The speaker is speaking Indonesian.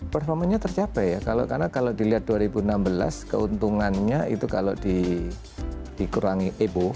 performanya tercapai ya karena kalau dilihat dua ribu enam belas keuntungannya itu kalau dikurangi ebo